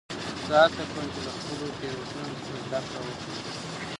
زه هڅه کوم، چي له خپلو تیروتنو څخه زدکړم وکړم.